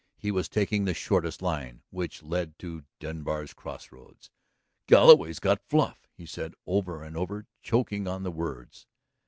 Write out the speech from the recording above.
He was taking the shortest line which led to Denbar's crossroads. "Galloway's got Fluff," he said over and over, choking on the words.